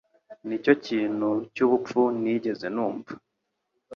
Nicyo kintu cyubupfu nigeze numva